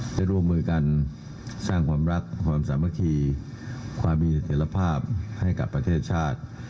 ได้ร่วมมือกันสร้างความรักความสามัคคีความมีเสถียรภาพให้กับประเทศชาติ